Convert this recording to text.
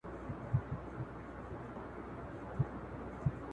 ختیځ ته د ملاورور اخند د مدرسې شاته